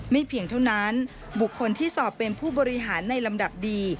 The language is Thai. เพียงเท่านั้นบุคคลที่สอบเป็นผู้บริหารในลำดับดี